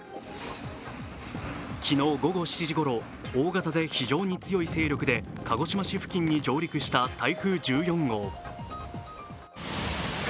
昨日午後７時ごろ、大型で非常に強い勢力で鹿児島市付近に上陸した台風１４号。